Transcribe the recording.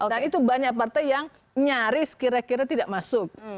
nah itu banyak partai yang nyaris kira kira tidak masuk